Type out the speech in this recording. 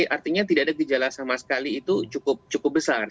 artinya tidak ada gejala sama sekali itu cukup besar